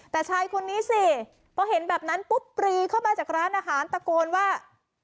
แต่ชายคนนี้สิพอเห็นแบบนั้นปุ๊บปรีเข้ามาจากร้านอาหารตะโกนว่า